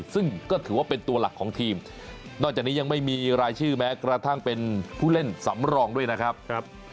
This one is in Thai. ซึ่งก็ถือว่าเป็นตัวหลักของทีมนอกจากนี้ยังไม่มีรายชื่อแม้กระทั่งเป็นผู้เล่นสำรองด้วยนะครับ